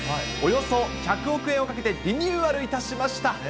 およそ１００億円をかけてリニューアルいたしました。